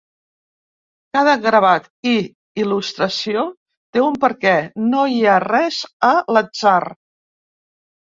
Cada gravat i il·lustració té un perquè, no hi ha res a l’atzar.